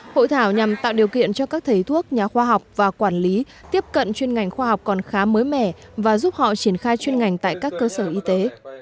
hội thảo nhằm tạo điều kiện cho các thầy thuốc nhà khoa học và quản lý tiếp cận chuyên ngành khoa học còn khá mới mẻ và giúp họ triển khai chuyên ngành tại các cơ sở y tế